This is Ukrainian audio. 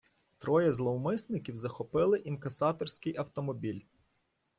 Троє зловмисників захопили інкасаторський автомобіль.